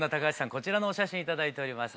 こちらのお写真頂いております